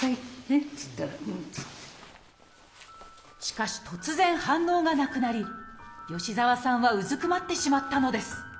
っつったらしかし突然反応がなくなり吉澤さんはうずくまってしまったのですああ